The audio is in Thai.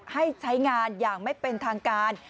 ให้ใช้งานอย่างไม่เป็นทางการ